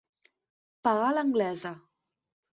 Pagar a l'anglesa.